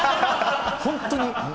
本当に。